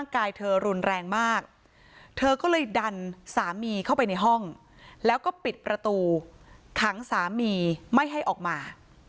กันสามีเข้าไปในห้องแล้วก็ปิดประตูขังสามีไม่ให้ออกมา